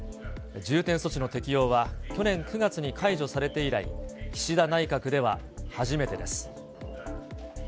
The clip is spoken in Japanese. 重点措置の適用は、去年９月に解除されて以来、岸田内閣では初めてです。